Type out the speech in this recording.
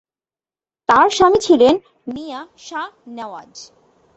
তাঁর স্বামী ছিলেন মিয়াঁ শাহ নেওয়াজ।